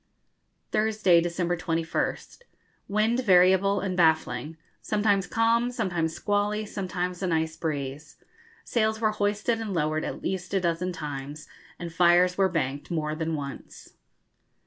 Thursday, December 21st. Wind variable and baffling sometimes calm, sometimes squally, sometimes a nice breeze. Sails were hoisted and lowered at least a dozen times, and fires were banked more than once.